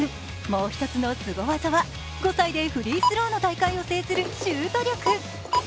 もう一つのすご技は５歳でフリースローの大会を制するシュート力。